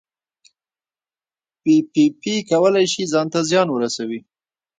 پي پي پي کولی شي ځان ته زیان ورسوي.